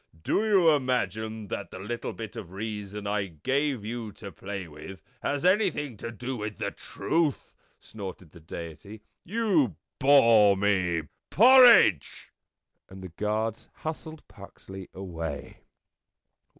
" Do you imagine that the little bit of reason I gave you to play with has anything to do with the truth?" snorted the Deity. "You bore me. Porridge!" And the guards hustled Puxley away.